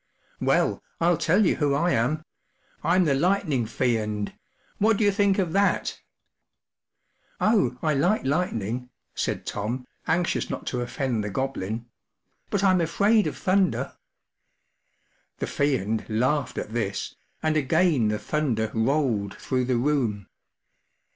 11 Well, I'll tell you who I am : I'm the Lightning Fiend I What do you think of that ? 71 41 Oh, I like lightning/ 1 said Tom, anxious not to offend the Goblin, 11 but I’m afraid of thunder,” The Fiend laughed at this, and again the thunder rolled through the room.